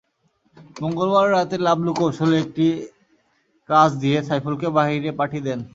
মঙ্গলবার রাতে লাভলু কৌশলে একটি কাজ দিয়ে সাইফুলকে বাইরে পাঠিয়ে দেন।